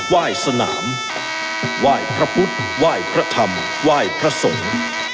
ว่ายสนามว่ายพระพุทธว่ายพระธรรมว่ายพระสงฆ์